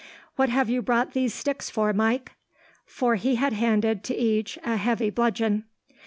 "What have you brought these sticks for, Mike?" For he had handed, to each, a heavy bludgeon.